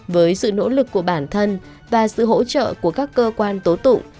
với sự nỗ lực của bản thân và sự hỗ trợ của các cơ quan tố tụng